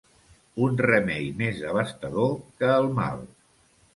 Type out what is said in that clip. Un remei més devastador que el mal.